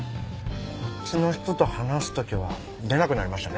こっちの人と話す時は出なくなりましたね。